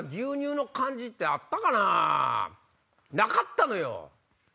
なかったのよ！